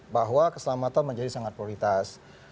bahwa keselamatan menjadi sangat prioritas